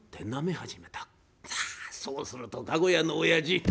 さあそうすると駕籠屋のおやじ